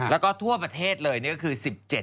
แล้วก็ทั่วประเทศเลยก็คือ๑๗